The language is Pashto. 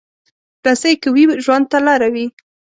رسۍ که وي، ژوند ته لاره وي.